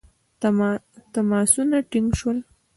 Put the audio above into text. تماسونه ټینګ شول.